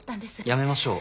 やめましょう。